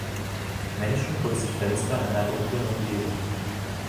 Menschen putzen Fenster in einer dunklen Umgebung